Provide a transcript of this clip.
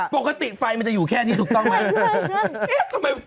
ปกติไฟมันจะอยู่แค่นี้ถูกต้องไหม